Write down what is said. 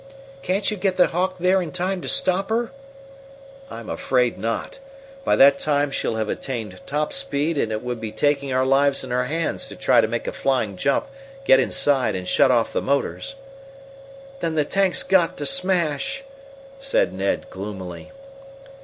"Can't you get the Hawk there in time to stop her?" "I'm afraid not. By that time she'll have attained top speed and it would be taking our lives in our hands to try to make a flying jump, get inside, and shut off the motors." "Then the tank's got to smash!" said Ned gloomily.